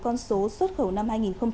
con số xuất khẩu năm hai nghìn hai mươi